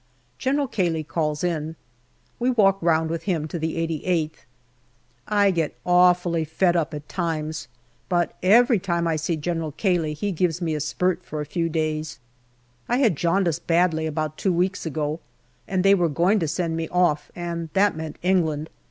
General Cayley calls in. We walk round with him to the 88th. I get awfully fed up at times, but every time I see General Cayley he gives me a spurt for a few days. I had jaundice badly about two weeks ago, and they were going to send me off, and that meant England.